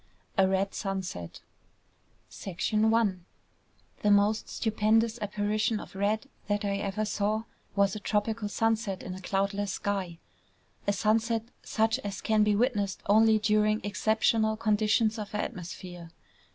A Red Sunset I The most stupendous apparition of red that I ever saw was a tropical sunset in a cloudless sky, a sunset such as can be witnessed only during exceptional conditions of atmosphere.